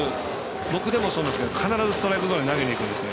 僕もそうですけど必ずストライクゾーンに投げにいくんですね。